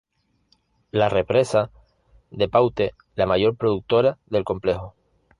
La represa de Paute la mayor productora del complejo.